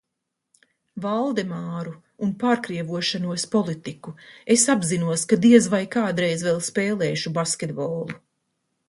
Valdemāru un pārkrievošanos politiku. Es apzinos, ka diez vai kādreiz vēl spēlēšu basketbolu.